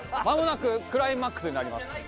間もなくクライマックスになります。